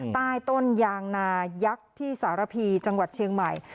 ใต้ต้นยางนายักษ์ที่สารพีจังหวัดเชียงใหม่